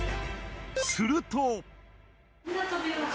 すると！